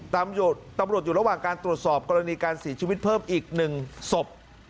ตำรวจอยู่ระหว่างการตรวจสอบกรณีการเสียชีวิตเพิ่มอีก๑ศพ